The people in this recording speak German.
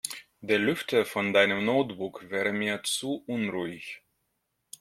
Der Lüfter von deinem Notebook wäre mir zu unruhig.